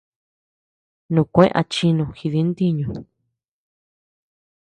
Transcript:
Nukue achinu jidi ntiñu.